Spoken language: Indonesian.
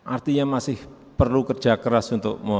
artinya masih perlu kerja keras untuk